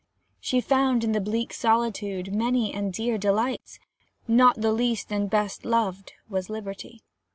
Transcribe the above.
She found in the bleak solitude many and dear delights; and not the least and best loved was liberty.